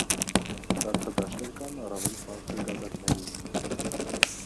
Սառցադաշտեր կան առավել բարձր գագաթներին։